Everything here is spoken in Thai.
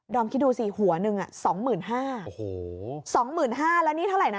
อมคิดดูสิหัวหนึ่งสองหมื่นห้าโอ้โหสองหมื่นห้าแล้วนี่เท่าไหร่นะ